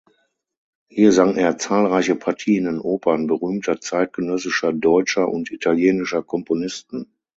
Hier sang er zahlreiche Partien in Opern berühmter zeitgenössischer deutscher und italienischer Komponisten.